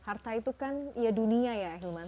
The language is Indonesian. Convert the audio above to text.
harta itu kan ya dunia ya ahilman